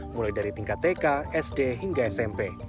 mulai dari tingkat tk sd hingga smp